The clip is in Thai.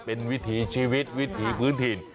เป็นวิถีชีวิตวิถีพื้นถิ่น